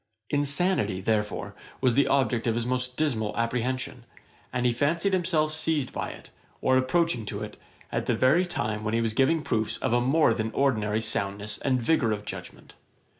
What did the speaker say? Insanity, therefore, was the object of his most dismal apprehension; and he fancied himself seized by it, or approaching to it, at the very time when he was giving proofs of a more than ordinary soundness and vigour of judgement.